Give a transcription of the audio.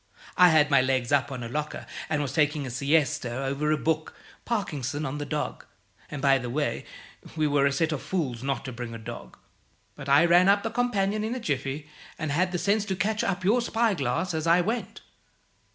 I had my legs up on a locker, and was taking a siesta over a book 'Parkinson On The Dog' and, by the way, we were a set of fools not to bring a dog; but I ran up the companion in a jiffy, and had the sense to catch up your spyglass as I went.